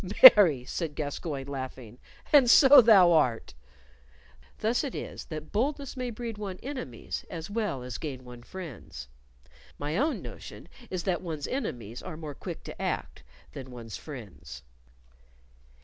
"Marry!" said Gascoyne, laughing, "and so thou art." Thus it is that boldness may breed one enemies as well as gain one friends. My own notion is that one's enemies are more quick to act than one's friends.